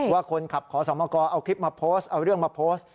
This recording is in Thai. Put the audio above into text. ว่าคนขับขอสมกรเอาคลิปมาโพสต์เอาเรื่องมาโพสต์